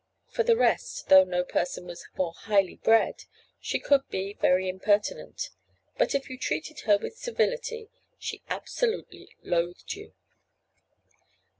For the rest, though no person was more highly bred, she could be very impertinent; but if you treated her with servility, she absolutely loathed you.